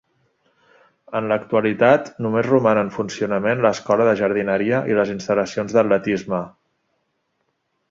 En l'actualitat només roman en funcionament l'escola de jardineria i les instal·lacions d'atletisme.